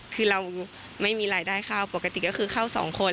คือเราไม่มีรายได้เข้าปกติก็คือเข้าสองคน